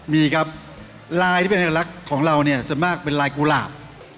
มีครับลายที่เป็นเอกลักษณ์ของเราเนี่ยส่วนมากเป็นลายกุหลาบ